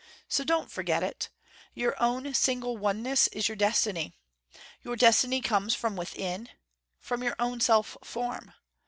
So don't forget it. Your own single oneness is your destiny. Your destiny comes from within, from your own self form.